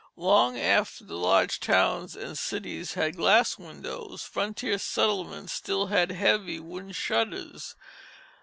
Long after the large towns and cities had glass windows, frontier settlements still had heavy wooden shutters.